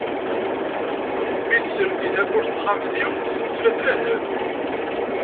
Mi d-teldi tawwurt n texxamt-iw, tella tlehhet.